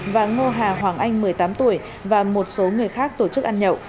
và ngô hà hoàng anh một mươi tám tuổi và một số người khác tổ chức ăn nhậu